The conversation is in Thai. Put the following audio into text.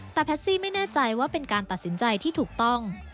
แต่แพชซี่ไม่แน่ใจว่าเป็นการตัดสินใจที่ถูกต้อง